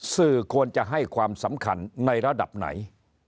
สื่อควรจะให้ความสำคัญในระดับไหน